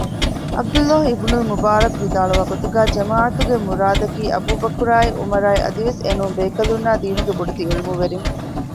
ޢަބްދުﷲ އިބްނުލްމުބާރަކު ވިދާޅުވާ ގޮތުގައި ޖަމާޢަތުގެ މުރާދަކީ އަބޫބަކްރާއި ޢުމަރާއި އަދިވެސް އެނޫން ބޭކަލުންނާއި ދީނުގެ ބޮޑެތި ޢިލްމުވެރިން